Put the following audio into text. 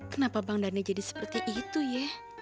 kenapa bang dhani jadi seperti itu ya